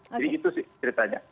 jadi itu ceritanya